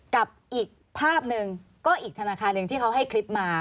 กับอีกภาพหนึ่งก็อีกธนาคารหนึ่งที่เขาให้คลิปมา